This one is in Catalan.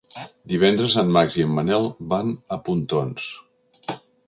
Divendres en Max i en Manel van a Pontons.